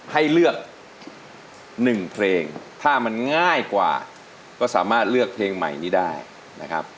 ให้เลือก๑เพลงถ้ามันง่ายกว่าก็สามารถเลือกเพลงใหม่นี้ได้นะครับ